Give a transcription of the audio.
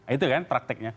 itu kan prakteknya